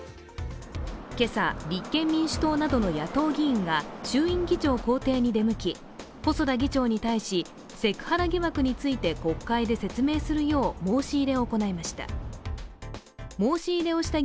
今朝立憲民主党などの野党議員が、衆院議長公邸に出向き、細田議長に対し、セクハラ疑惑について国会で説明するよう申し入れを行いました。